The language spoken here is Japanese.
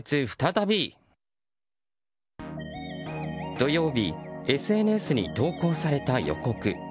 土曜日ＳＮＳに投稿された予告。